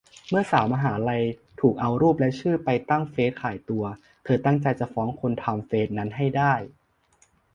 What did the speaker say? เมื่อสาวมหาลัย ถูกเอารูปและชื่อไปตั้งเฟซขายตัว เธอตั้งใจจะฟ้องคนทำเฟซนั้นให้ได้